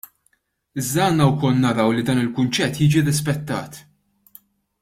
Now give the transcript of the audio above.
Iżda għandna wkoll naraw li dan il-kunċett jiġi rrispettat.